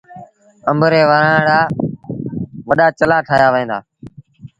آݩب ري وڻآݩ رآوڏآ چلآ ٺآهيآ وهيݩ دآ۔